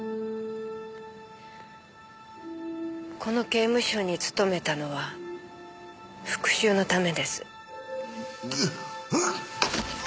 この刑務所に勤めたのは復讐のためです。